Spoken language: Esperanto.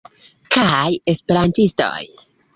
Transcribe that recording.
kaj esperantistoj.